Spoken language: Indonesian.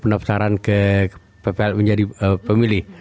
pendaftaran ke ppl menjadi pemilih